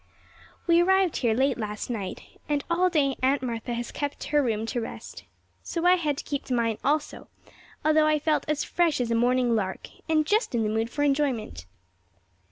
We arrived here late last night, and all day Aunt Martha has kept her room to rest. So I had to keep mine also, although I felt as fresh as a morning lark, and just in the mood for enjoyment.